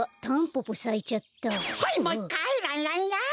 はいもういっかいランランラン！